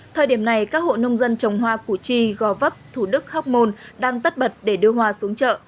thời điểm này các hộ nông dân trồng hoa củ chi gò vấp thủ đức hóc môn đang tất bật để đưa hoa xuống chợ